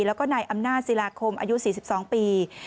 แล้วก็นายอำนาจศิลาคมอายุ๔๒ปี